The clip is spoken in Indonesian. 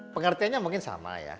pengertiannya mungkin sama ya